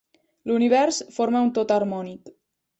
L'Univers forma un tot harmònic.